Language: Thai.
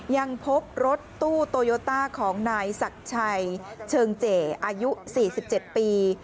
ยังพบรถตู้โตโยต้าของนายศักดิ์ชัยเชิงเจอายุ๔๗ปี